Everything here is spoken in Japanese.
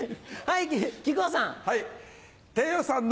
はい木久扇さん。